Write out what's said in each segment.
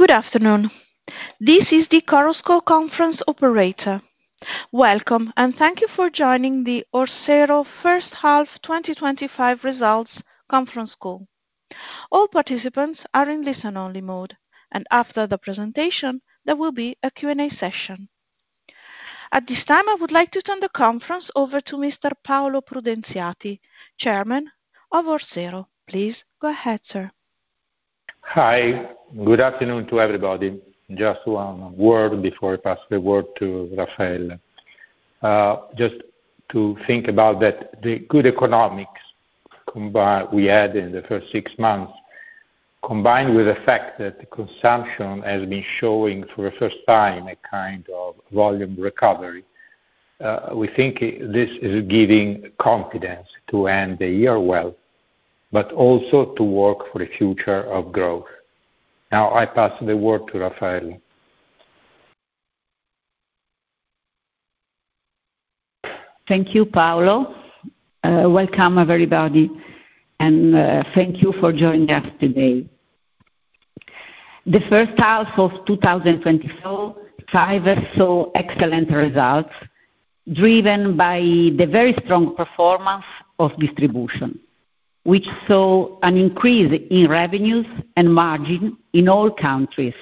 Good afternoon. This is the Carusco conference operator. Welcome, and thank you for joining the Orsero First Half 2025 Results Conference Call. All participants are in listen-only mode, and after the presentation, there will be a Q&A session. At this time, I would like to turn the conference over to Mr. Paolo Prudenziati, Chairman of Orsero. Please go ahead, sir. Hi, good afternoon to everybody. Just one word before I pass the word to Raffaella. Just to think about that, the good economics we had in the first six months, combined with the fact that the consumption has been showing for the first time a kind of volume recovery, we think this is giving confidence to end the year well, but also to work for the future of growth. Now, I pass the word to Raffaella. Thank you, Paolo. Welcome everybody, and thank you for joining us today. The first half of 2024 saw excellent results, driven by the very strong performance of distribution, which saw an increase in revenues and margin in all countries.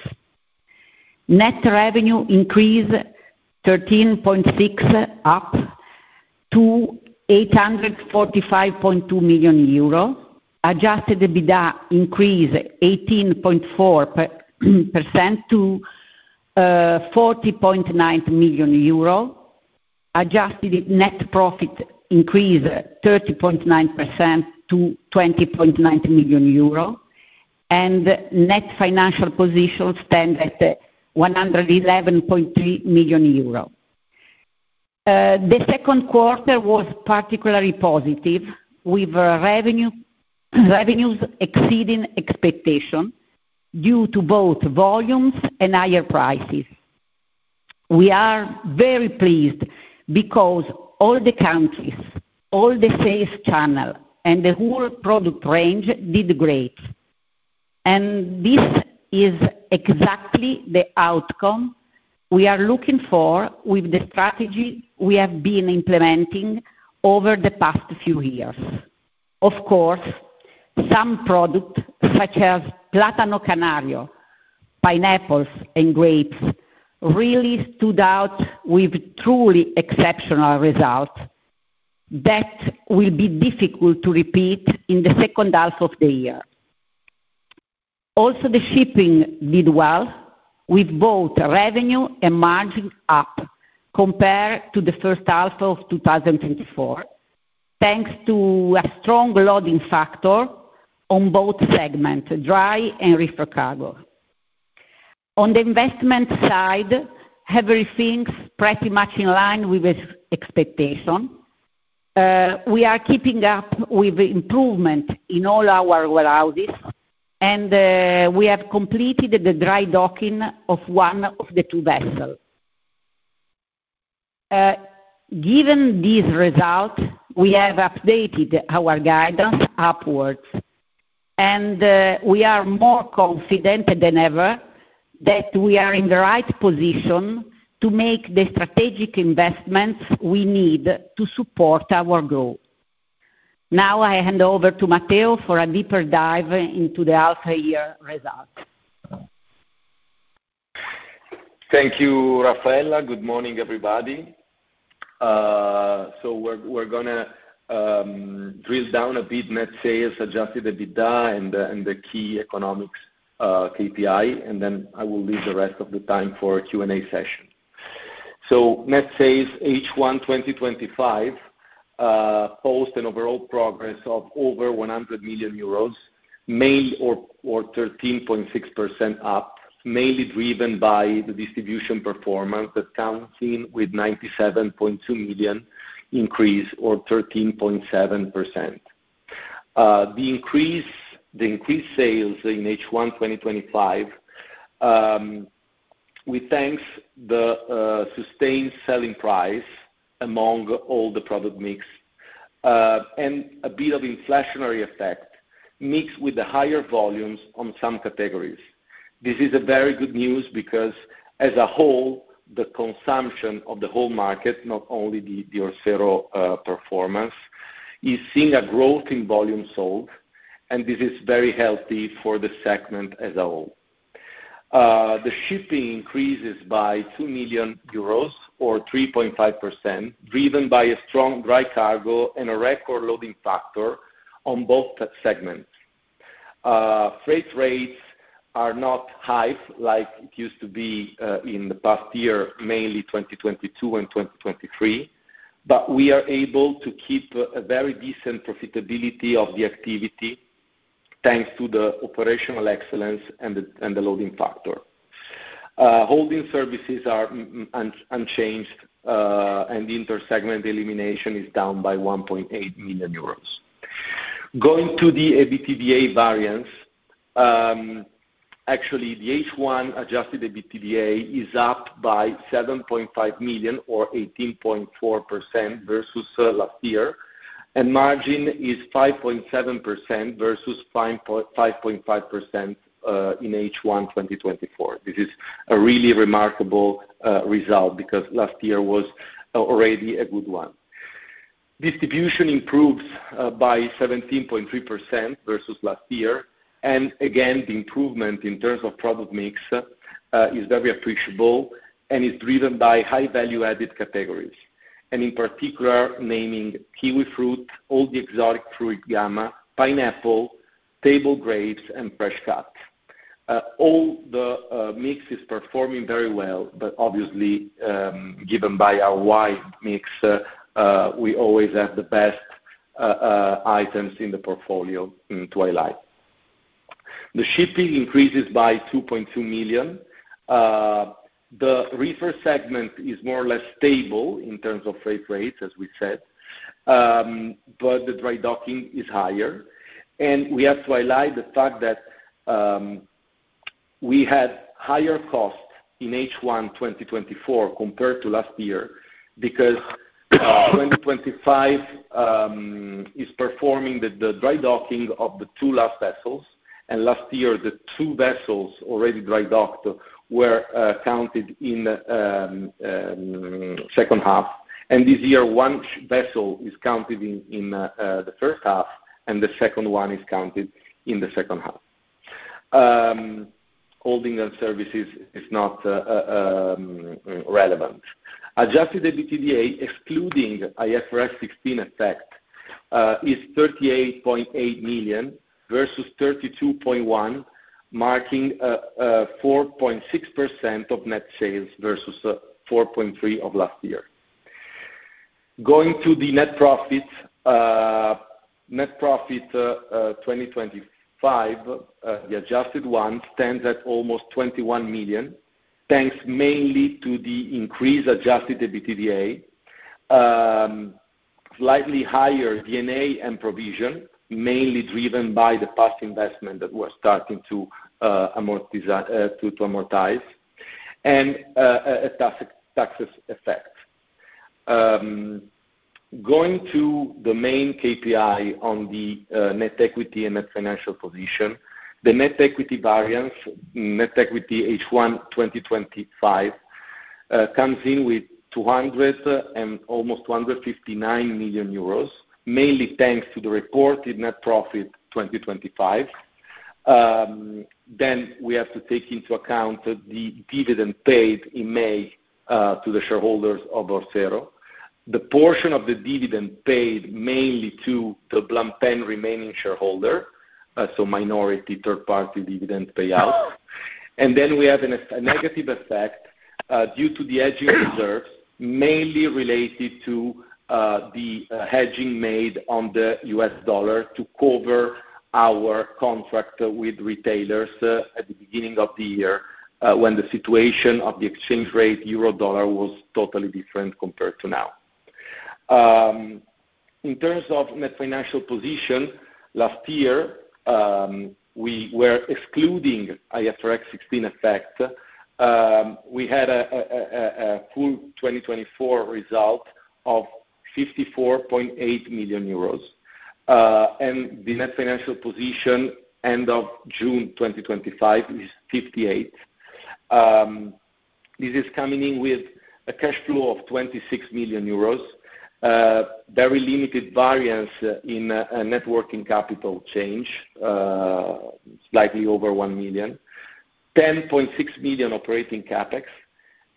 Net revenue increased 13.6% up to 845.2 million euro. Adjusted EBITDA increased 18.4% to 40.9 million euro. Adjusted net profit increased 30.9% to 20.9 million euro, and net financial position stands at 111.3 million euro. The second quarter was particularly positive, with revenues exceeding expectations due to both volumes and higher prices. We are very pleased because all the countries, all the sales channels, and the whole product range did great. This is exactly the outcome we are looking for with the strategy we have been implementing over the past few years. Of course, some products such as Plátano canario, pineapples, and grapes really stood out with truly exceptional results that will be difficult to repeat in the second half of the year. Also, the shipping did well, with both revenue and margin up compared to the first half of 2024, thanks to a strong loading factor on both segments, dry and river cargo. On the investment side, everything is pretty much in line with expectations. We are keeping up with improvements in all our warehouses, and we have completed the dry docking of one of the two vessels. Given these results, we have updated our guidance upwards, and we are more confident than ever that we are in the right position to make the strategic investments we need to support our growth. Now, I hand over to Matteo for a deeper dive into the half-year results. Thank you, Raffaella. Good morning, everybody. We're going to drill down a bit on net sales, adjusted EBITDA, and the key economics KPI, and then I will leave the rest of the time for a Q&A session. Net sales H1 2025 post an overall progress of over 100 million euros, or EUR 13.6% up, mainly driven by the distribution performance accounting with 97.2 million increase or EUR 13.7%. The increased sales in H1 2025 were thanks to the sustained selling price among all the product mix and a bit of inflationary effect mixed with the higher volumes on some categories. This is very good news because, as a whole, the consumption of the whole market, not only the Orsero performance, is seeing a growth in volume sold, and this is very healthy for the segment as a whole. The shipping increases by 2 million euros or 3.5%, driven by a strong dry cargo and a record loading factor on both segments. Freight rates are not high like it used to be in the past year, mainly 2022 and 2023, but we are able to keep a very decent profitability of the activity thanks to the operational excellence and the loading factor. Holding services are unchanged, and intersegment elimination is down by 1.8 million euros. Going to the EBITDA variance, actually, the H1 adjusted EBITDA is up by 7.5 million or 18.4% versus last year, and margin is 5.7% versus 5.5% in H1 2024. This is a really remarkable result because last year was already a good one. Distribution improves by 17.3% versus last year, and again, the improvement in terms of product mix is very appreciable and is driven by high value-added categories, and in particular, naming kiwifruit, all the exotic fruit gama, pineapple, table grapes, and fresh cuts. All the mix is performing very well, but obviously, given by our wide mix, we always have the best items in the portfolio in Twilight. The shipping increases by 2.2 million. The river segment is more or less stable in terms of freight rates, as we said, but the dry docking is higher. We have to highlight the fact that we had higher costs in H1 2024 compared to last year because 2025 is performing the dry docking of the two last vessels. Last year, the two vessels already dry docked were counted in the second half, and this year, one vessel is counted in the first half, and the second one is counted in the second half. Holding and services is not relevant. Adjusted EBITDA excluding IFRS 16 effect is 38.8 million versus 32.1 million, marking 4.6% of net sales versus 4.3% of last year. Going to the net profits, net profit 2025, the adjusted one stands at almost 21 million, thanks mainly to the increased adjusted EBITDA, slightly higher D&A and provision, mainly driven by the past investment that we're starting to amortize, and a tax effect. Going to the main KPI on the net equity and net financial position, the net equity variance, net equity H1 2025 comes in with 259 million euros, mainly thanks to the reported net profit 2025. We have to take into account the dividend paid in May to the shareholders of Orsero. The portion of the dividend paid mainly to the blunt pen remaining shareholders, so minority third-party dividend payout. We have a negative effect due to the hedging reserves, mainly related to the hedging made on the U.S. dollar to cover our contract with retailers at the beginning of the year when the situation of the exchange rate euro-dollar was totally different compared to now. In terms of net financial position, last year, we were excluding IFRS 16 effect. We had a cool 2024 result of 54.8 million euros, and the net financial position end of June 2025 is 58 million. This is coming in with a cash flow of 26 million euros, very limited variance in net working capital change, slightly over 1 million, 10.6 million operating capex,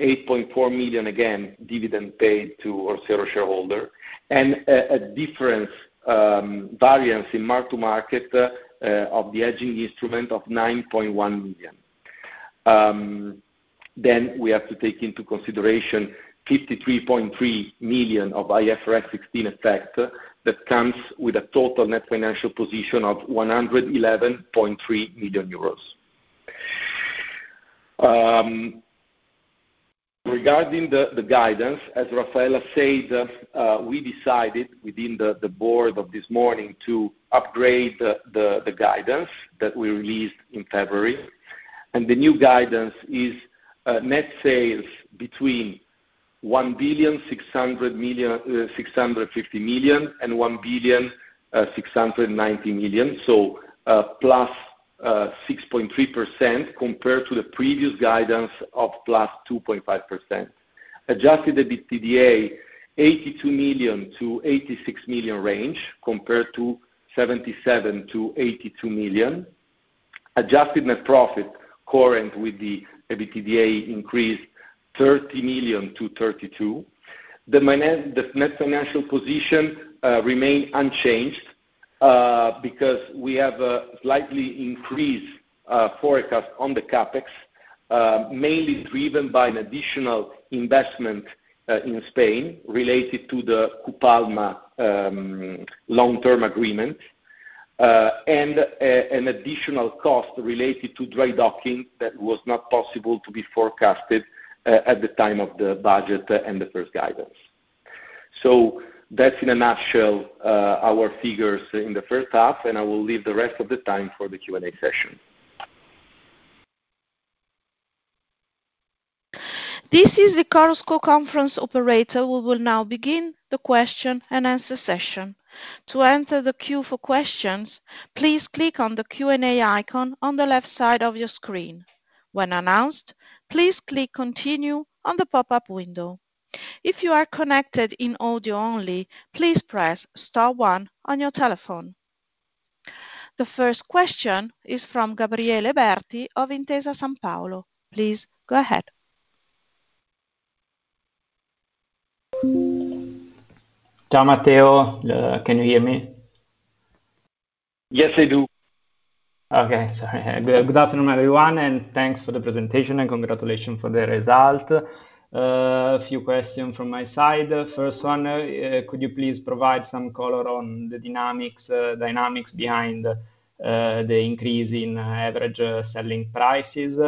8.4 million again dividend paid to Orsero shareholders, and a different variance in mark-to-market of the hedging instrument of 9.1 million. We have to take into consideration 53.3 million of IFRS 16 effect that comes with a total net financial position of 111.3 million euros. Regarding the guidance, as Raffaella said, we decided within the Board this morning to upgrade the guidance that we released in February. The new guidance is net sales between 1,650 million and 1,690 million, so +6.3% compared to the previous guidance of +2.5%. Adjusted EBITDA 82 million-86 million range compared to 77 million-82 million. Adjusted net profit current with the EBITDA increased 30 million to 32 million. The net financial position remained unchanged because we have a slightly increased forecast on the capex, mainly driven by an additional investment in Spain related to the CUPALMA long-term agreement and an additional cost related to dry docking that was not possible to be forecasted at the time of the budget and the first guidance. That is in a nutshell our figures in the first half, and I will leave the rest of the time for the Q&A session. This is the Carusco conference operator. We will now begin the question and answer session. To enter the queue for questions, please click on the Q&A icon on the left side of your screen. When announced, please click Continue on the pop-up window. If you are connected in audio only, please press star one on your telephone. The first question is from Gabriele Berti of Intesa Sanpaolo. Please go ahead. Ciao Matteo. Can you hear me? Yes, I do. Okay. Sorry. Good afternoon, everyone, and thanks for the presentation and congratulations for the result. A few questions from my side. First one, could you please provide some color on the dynamics behind the increase in average selling prices?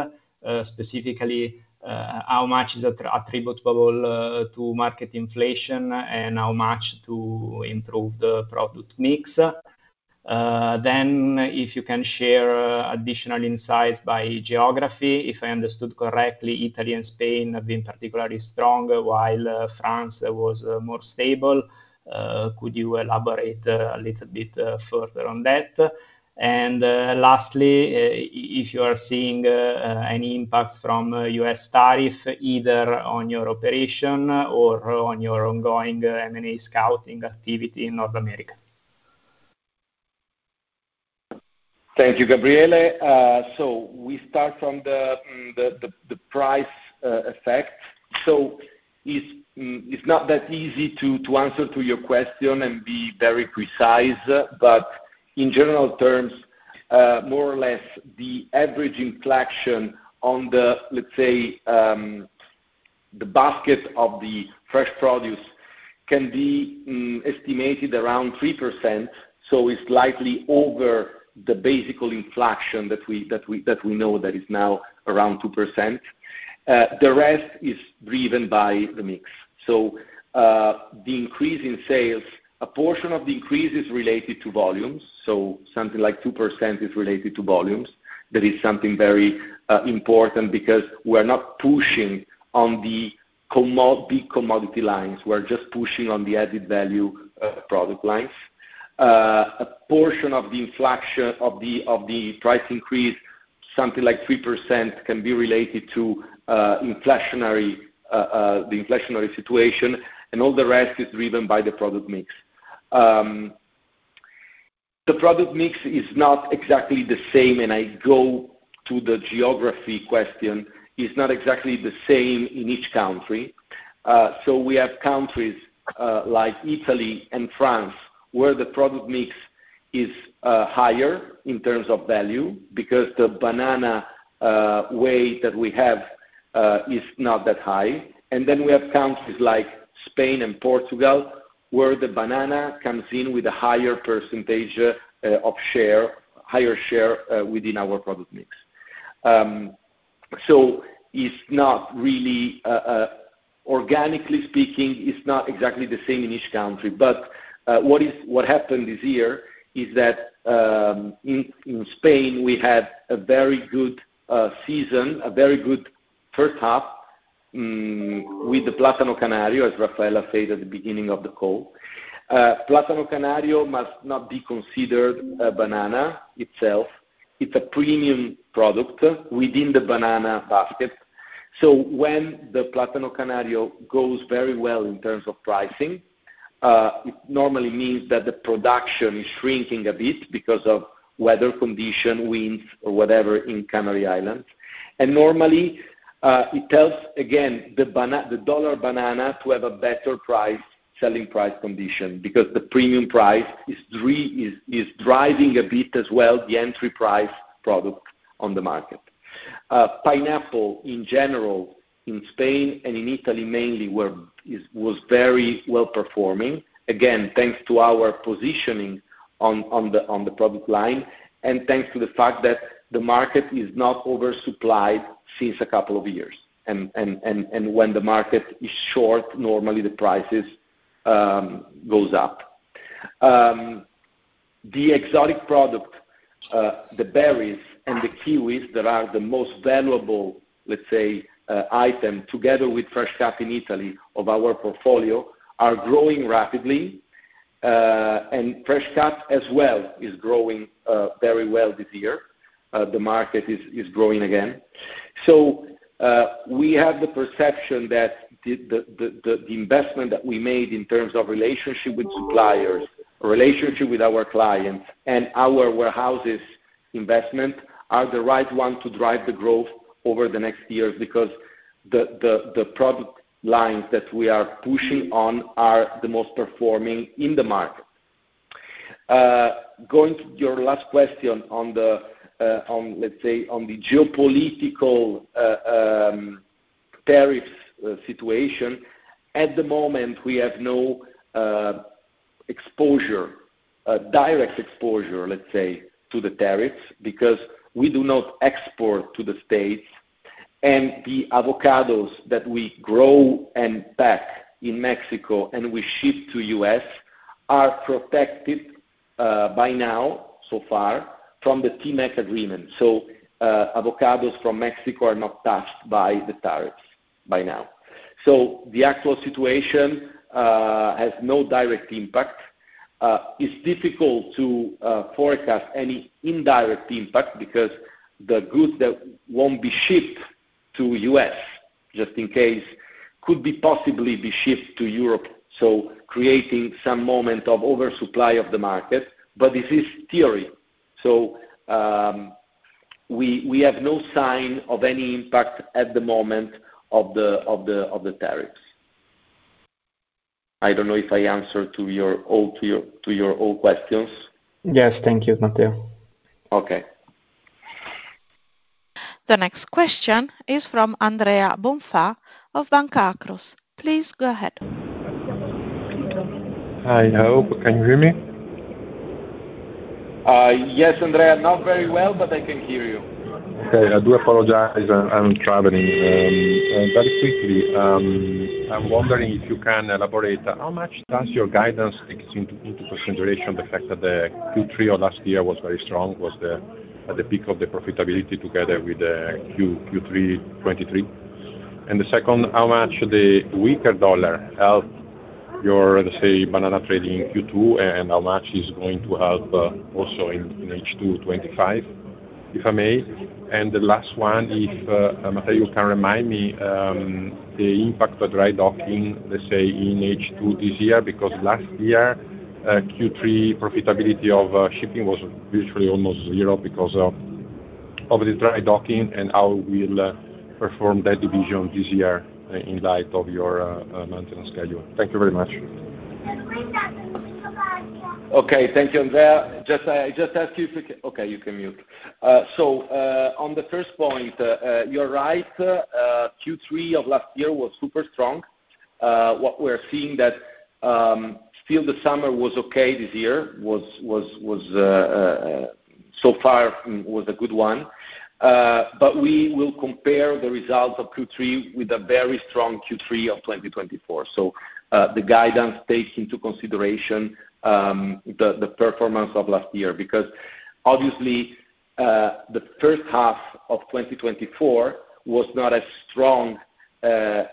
Specifically, how much is attributable to market inflation and how much to improved product mix? If you can share additional insights by geography, if I understood correctly, Italy and Spain have been particularly strong, while France was more stable. Could you elaborate a little bit further on that? Lastly, if you are seeing any impacts from U.S. tariff, either on your operation or on your ongoing M&A scouting activity in North America? Thank you, Gabriele. We start from the price effect. It's not that easy to answer your question and be very precise, but in general terms, more or less, the average inflection on the, let's say, the basket of the fresh produce can be estimated around 3%. It's slightly over the basic inflection that we know is now around 2%. The rest is driven by the mix. The increase in sales, a portion of the increase is related to volumes. Something like 2% is related to volumes. That is something very important because we're not pushing on the big commodity lines. We're just pushing on the added value product lines. A portion of the inflection of the price increase, something like 3%, can be related to the inflationary situation, and all the rest is driven by the product mix. The product mix is not exactly the same, and I go to the geography question. It's not exactly the same in each country. We have countries like Italy and France where the product mix is higher in terms of value because the banana weight that we have is not that high. Then we have countries like Spain and Portugal where the banana comes in with a higher percentage of share, higher share within our product mix. Organically speaking, it's not exactly the same in each country. What happened this year is that in Spain, we had a very good season, a very good first half with the Plátano canario, as Raffaella said at the beginning of the call. Plátano canario must not be considered a banana itself. It's a premium product within the banana basket. When the Plátano canario goes very well in terms of pricing, it normally means that the production is shrinking a bit because of weather conditions, winds, or whatever in Canary Islands. Normally, it helps, again, the dollar banana to have a better price, selling price condition because the premium price is driving a bit as well the entry price product on the market. Pineapple, in general, in Spain and in Italy mainly, was very well performing, again, thanks to our positioning on the product line and thanks to the fact that the market is not oversupplied since a couple of years. When the market is short, normally the prices go up. The exotic product, the berries and the kiwifruit that are the most valuable, let's say, item together with fresh cuts in Italy of our portfolio are growing rapidly. Fresh cuts as well is growing very well this year. The market is growing again. We have the perception that the investment that we made in terms of relationship with suppliers, relationship with our clients, and our warehouses' investment are the right ones to drive the growth over the next years because the product lines that we are pushing on are the most performing in the market. Going to your last question on the geopolitical tariffs situation, at the moment, we have no exposure, direct exposure, to the tariffs because we do not export to the U.S. The avocados that we grow and pack in Mexico and we ship to the U.S. are protected by now, so far, from the USMCA agreement. Avocados from Mexico are not taxed by the tariffs by now. The actual situation has no direct impact. It's difficult to forecast any indirect impact because the goods that won't be shipped to the U.S., just in case, could possibly be shipped to Europe, creating some moment of oversupply of the market, but this is theory. We have no sign of any impact at the moment of the tariffs. I don't know if I answered to your all questions. Yes, thank you, Matteo. Okay. The next question is from Andrea Bonfà of Bancacross. Please go ahead. Hi, hello. Can you hear me? Yes, Andrea, not very well, but I can hear you. Okay. I do apologize, I'm traveling. Very quickly, I'm wondering if you can elaborate how much does your guidance take into consideration the fact that the Q3 of last year was very strong, was at the peak of the profitability together with Q3 2023? The second, how much the weaker dollar helped your, let's say, banana trading in Q2 and how much is going to help also in H2 2025, if I may? The last one, if Matteo can remind me, the impact of dry docking, let's say, in H2 this year because last year, Q3 profitability of shipping was virtually almost zero because of the dry docking and how you'll perform that division this year in light of your maintenance schedule. Thank you very much. Okay. Thank you, Andrea. I just asked you if you can, okay, you can mute. On the first point, you're right. Q3 of last year was super strong. What we're seeing is that still the summer was okay this year. Was so far was a good one. We will compare the result of Q3 with a very strong Q3 of 2024. The guidance takes into consideration the performance of last year because, obviously, the first half of 2024 was not as strong as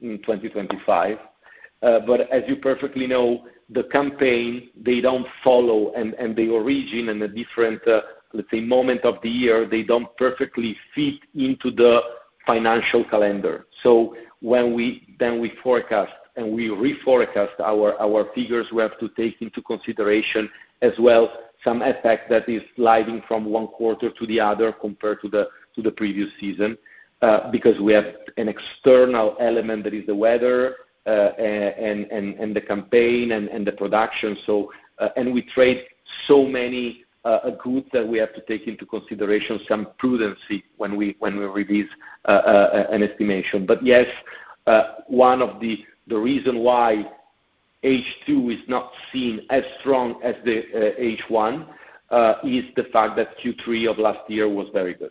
in 2025. As you perfectly know, the campaign, they don't follow, and the origin and the different, let's say, moment of the year, they don't perfectly fit into the financial calendar. When we then forecast and we reforecast our figures, we have to take into consideration as well some effect that is sliding from one quarter to the other compared to the previous season because we have an external element that is the weather and the campaign and the production. We trade so many goods that we have to take into consideration some prudency when we release an estimation. Yes, one of the reasons why H2 is not seen as strong as the H1 is the fact that Q3 of last year was very good.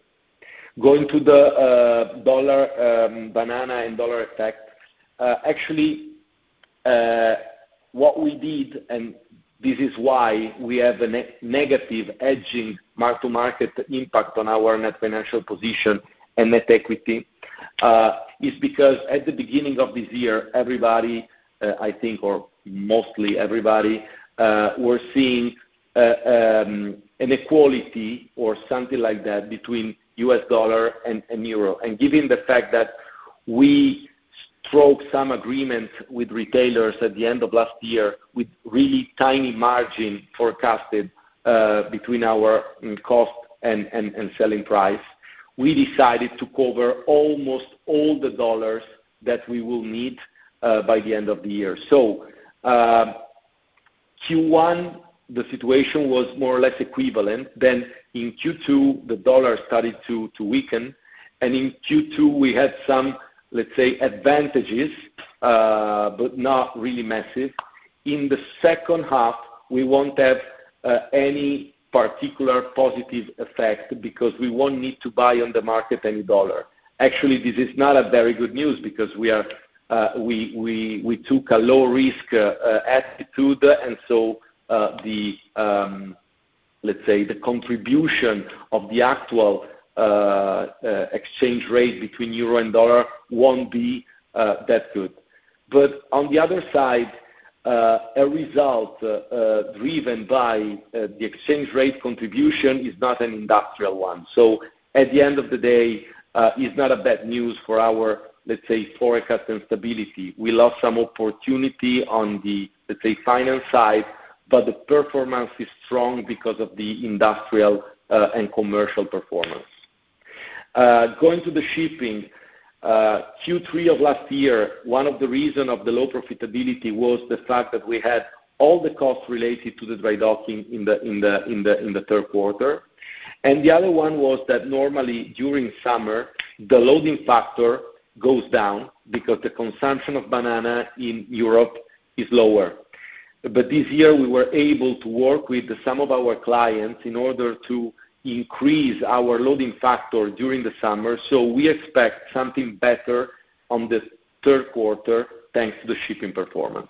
Going to the dollar, banana, and dollar effect, actually, what we did, and this is why we have a negative hedging mark-to-market impact on our net financial position and net equity, is because at the beginning of this year, everybody, I think, or mostly everybody, were seeing inequality or something like that between US dollar and euro. Given the fact that we broke some agreements with retailers at the end of last year with really tiny margin forecasted between our cost and selling price, we decided to cover almost all the dollars that we will need by the end of the year. Q1, the situation was more or less equivalent. In Q2, the dollar started to weaken. In Q2, we had some, let's say, advantages, but not really massive. In the second half, we won't have any particular positive effect because we won't need to buy on the market any dollar. Actually, this is not very good news because we took a low-risk attitude. The, let's say, the contribution of the actual exchange rate between euro and dollar won't be that good. On the other side, a result driven by the exchange rate contribution is not an industrial one. At the end of the day, it's not bad news for our, let's say, forecast and stability. We lost some opportunity on the, let's say, finance side, but the performance is strong because of the industrial and commercial performance. Going to the shipping, Q3 of last year, one of the reasons of the low profitability was the fact that we had all the costs related to the dry docking in the third quarter. The other one was that normally during summer, the loading factor goes down because the consumption of banana in Europe is lower. This year, we were able to work with some of our clients in order to increase our loading factor during the summer. We expect something better on the third quarter thanks to the shipping performance.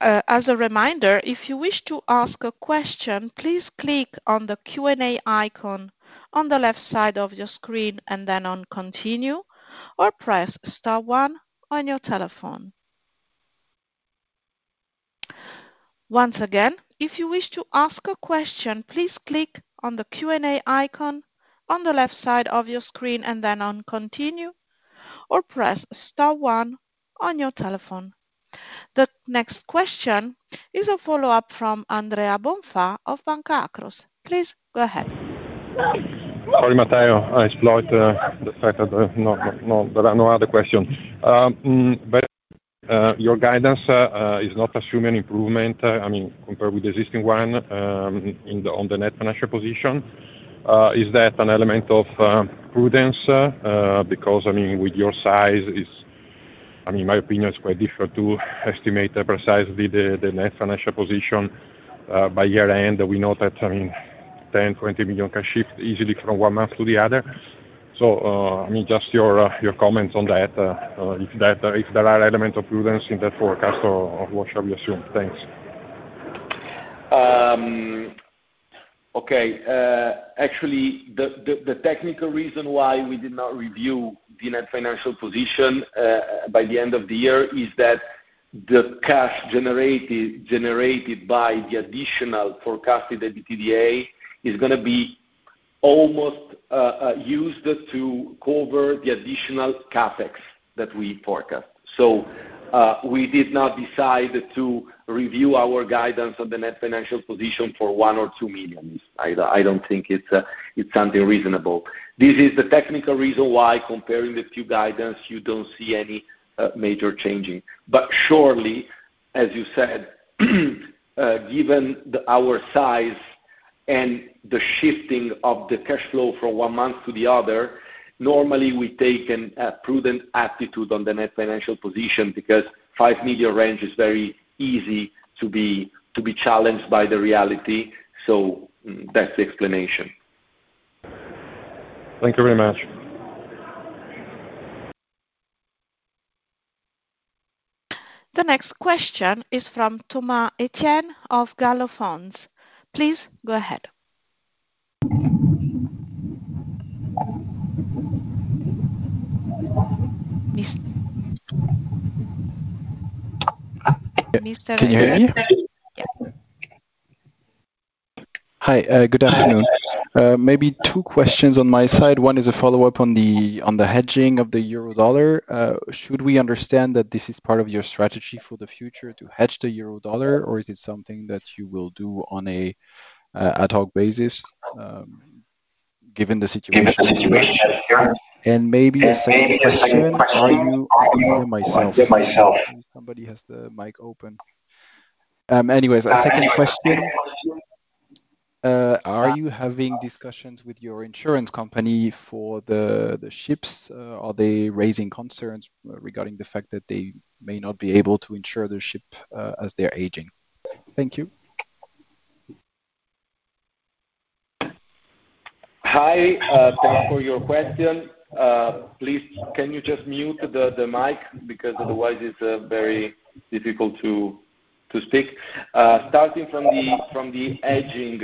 As a reminder, if you wish to ask a question, please click on the Q&A icon on the left side of your screen and then on Continue or press star one on your telephone. Once again, if you wish to ask a question, please click on the Q&A icon on the left side of your screen and then on Continue or press star one on your telephone. The next question is a follow-up from Andrea Bonfà of Bancacross. Please go ahead. Sorry, Matteo. I exploited the fact that there are no other questions. Your guidance is not assuming improvement, I mean, compared with the existing one on the net financial position. Is that an element of prudence? With your size, my opinion is quite different to estimate precisely the net financial position by year-end. We know that 10 million, 20 million can shift easily from one month to the other. Just your comments on that. If there are elements of prudence in that forecast, what shall we assume? Thanks. Okay. Actually, the technical reason why we did not review the net financial position by the end of the year is that the cash generated by the additional forecasted EBITDA is going to be almost used to cover the additional CapEx that we forecast. We did not decide to review our guidance on the net financial position for 1 million or 2 million. I don't think it's something reasonable. This is the technical reason why, comparing the two guidance, you don't see any major changing. Surely, as you said, given our size and the shifting of the cash flow from one month to the other, normally, we take a prudent attitude on the net financial position because a 5 million range is very easy to be challenged by the reality. That's the explanation. Thank you very much. The next question is from Thomas Etienne of GalloFonds. Please go ahead. Can you hear me? Hi, good afternoon. Maybe two questions on my side. One is a follow-up on the hedging of the euro–dollar. Should we understand that this is part of your strategy for the future to hedge the euro–dollar, or is it something that you will do on an ad hoc basis given the situation? A second question. Are you having discussions with your insurance company for the ships? Are they raising concerns regarding the fact that they may not be able to insure the ship as they're aging? Thank you. Hi, thanks for your question. Please, can you just mute the mic? Because otherwise, it's very difficult to speak. Starting from the hedging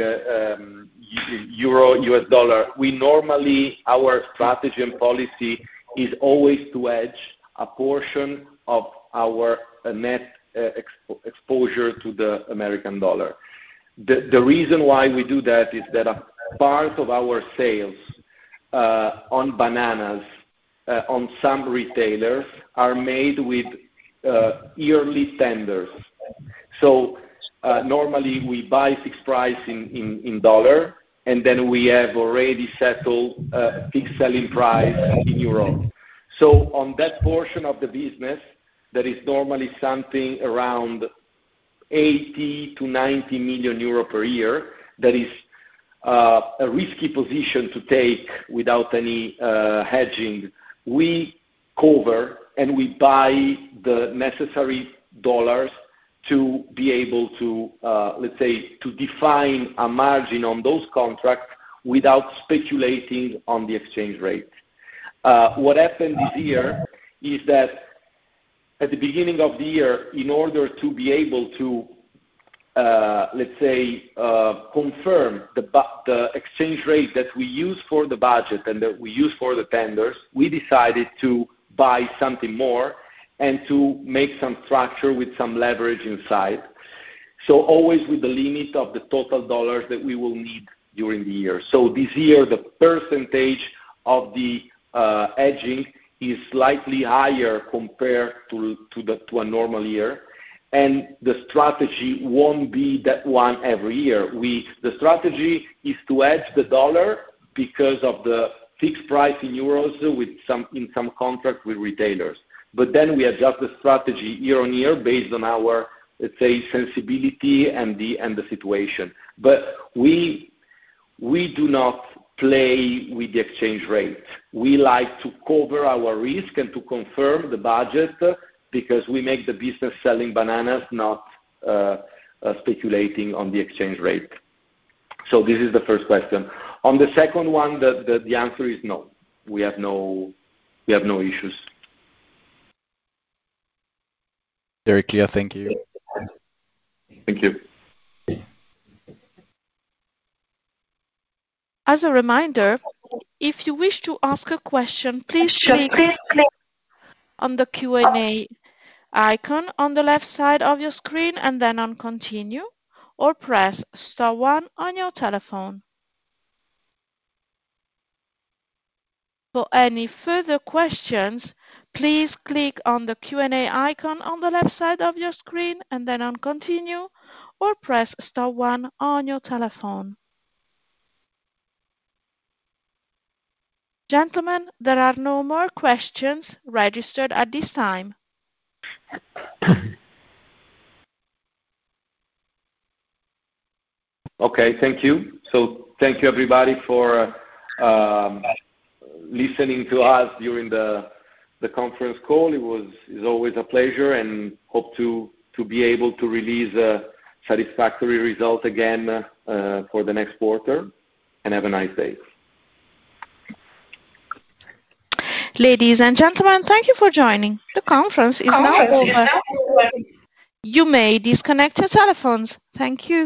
euro–dollar, we normally, our strategy and policy is always to hedge a portion of our net exposure to the American dollar. The reason why we do that is that a part of our sales on bananas on some retailers are made with yearly standards. Normally, we buy fixed price in dollar, and then we have already settled fixed selling price in euro. On that portion of the business, that is normally something around 80-90 million euro per year, that is a risky position to take without any hedging. We cover and we buy the necessary dollars to be able to, let's say, define a margin on those contracts without speculating on the exchange rate. What happened this year is that at the beginning of the year, in order to be able to, let's say, confirm the exchange rate that we use for the budget and that we use for the tenders, we decided to buy something more and to make some structure with some leverage inside. Always with the limit of the total dollars that we will need during the year. This year, the percentage of the hedging is slightly higher compared to a normal year. The strategy won't be that one every year. The strategy is to hedge the dollar because of the fixed price in euros with some contract with retailers. Then we adjust the strategy year on year based on our, let's say, sensibility and the situation. We do not play with the exchange rate. We like to cover our risk and to confirm the budget because we make the business selling bananas, not speculating on the exchange rate. This is the first question. On the second one, the answer is no. We have no issues. Very clear. Thank you. As a reminder, if you wish to ask a question, please click on the Q&A icon on the left side of your screen and then on Continue or press star one on your telephone. For any further questions, please click on the Q&A icon on the left side of your screen and then on Continue or press star one on your telephone. Gentlemen, there are no more questions registered at this time. Thank you, everybody, for listening to us during the conference call. It was always a pleasure and hope to be able to release a satisfactory result again for the next quarter. Have a nice day. Ladies and gentlemen, thank you for joining. The conference is now over. You may disconnect your telephones. Thank you.